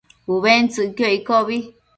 Ubentsëcquio iccobi